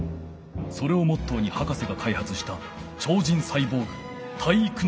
それをモットーに博士がかいはつしたちょう人サイボーグ体育ノ介。